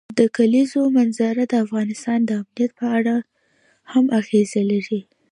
د کلیزو منظره د افغانستان د امنیت په اړه هم اغېز لري.